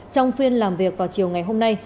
trong phiên làm việc vào chiều ngày hôm nay